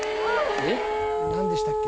なんでしたっけ？